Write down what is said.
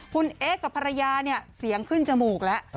คุณเอ๊กับภรรยาเนี่ยเสียงขึ้นจมูกแล้ว